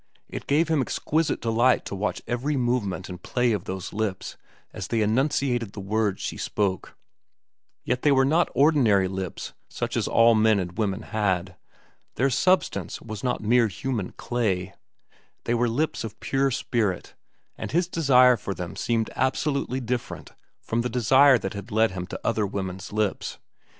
It gave him exquisite delight to watch every movement and play of those lips as they enunciated the words she spoke; yet they were not ordinary lips such as all men and women had. Their substance was not mere human clay. They were lips of pure spirit, and his desire for them seemed absolutely different from the desire that had led him to other women's lips.